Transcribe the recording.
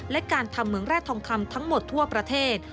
และการทำเมืองแร่ทองคำทั้งหมดทั่วประเทศ